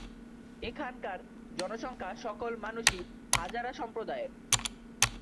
এখানকার জনসংখ্যা সকল মানুষই হাজারা সম্প্রদায়ের।